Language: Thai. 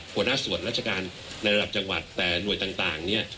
หัวหน้าส่วนราชการในระดับจังหวัดแต่หน่วยต่างเนี่ย